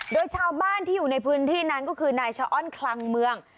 โดยชาวบ้านที่อยู่ในพื้นที่นั้นก็คือนายชะอ้อนคลังเมือง